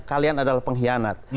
kalian adalah pengkhianat